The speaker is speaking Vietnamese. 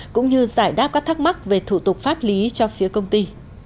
cũng như giải đáp các thắc mắc về thủ tục pháp lý cho phía công ty